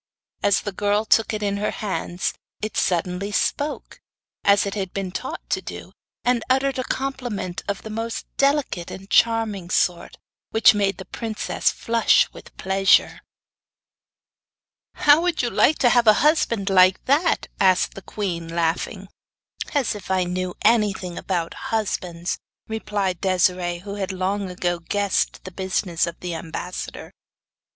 As the girl took it in her hands it suddenly spoke, as it had been taught to do, and uttered a compliment of the most delicate and charming sort, which made the princess flush with pleasure. 'How would you like to have a husband like that?' asked the queen, laughing. 'As if I knew anything about husbands!' replied Desiree, who had long ago guessed the business of the ambassador.